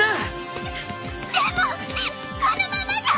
でもこのままじゃ！